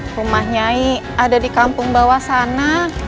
rumah nyai ada di kampung bawah sana